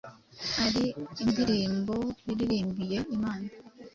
ari indirimbo yaririmbiye Imana